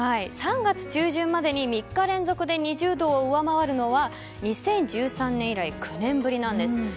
３月中旬までに３日連続で２０度を上回るのは２０１３年以来９年ぶりなんです。